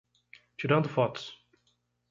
Tirando fotos